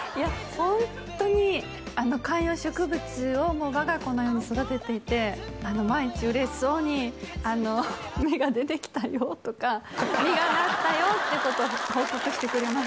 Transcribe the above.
ホントに観葉植物をわが子のように育てていて毎日嬉しそうに「芽が出てきたよ」とか「実がなったよ」ってことを報告してくれます